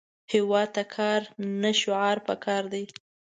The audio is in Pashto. هیواد ته کار، نه شعار پکار دی